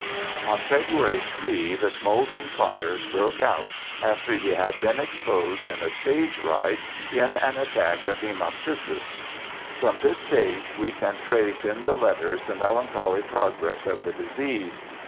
On February 3 the smouldering fires broke out, after he had been exposed in a stage ride, in an attack of E 2 52 BIOGRAPHICAL ESSAYS haemoptysis. From this date we can trace in the letters the melancholy progress of the disease.